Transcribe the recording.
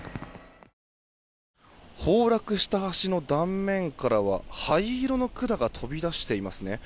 崩落した橋の断面からは灰色の管が飛び出していますね。